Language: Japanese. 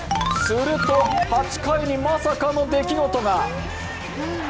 すると８回にまさかの出来事が。